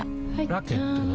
ラケットは？